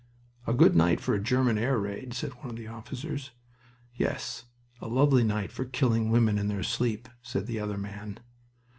"A good night for a German air raid," said one of the officers. "Yes, a lovely night for killing women in their sleep," said the other man.